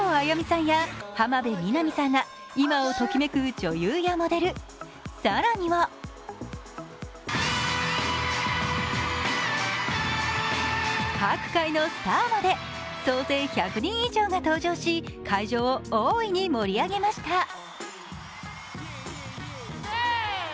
やみさんや浜辺美波さんが今をときめく女優やモデル更には各界のスターまで総勢１００人以上が登場し会場を大いに盛り上げました。